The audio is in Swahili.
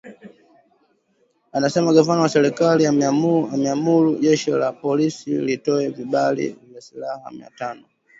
anasema gavana wa serikali ameamuru jeshi la polisi litoe vibali vya silaha mia tano